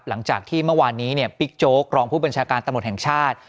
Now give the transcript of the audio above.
หลังจากที่เมื่อวานนี้เนี่ยบิ๊กโจ๊กรองผู้บัญชาการตำรวจแห่งชาติ